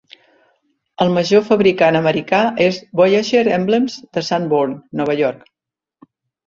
El major fabricant americà és Voyager Emblems de Sanborn, Nova York.